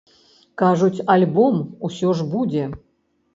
Кажуць, альбом усё ж будзе.